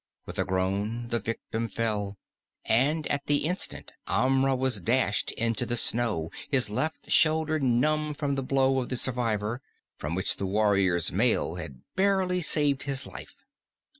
With a groan the victim fell, and at the instant Amra was dashed into the snow, his left shoulder numb from the blow of the survivor, from which the warrior's mail had barely saved his life.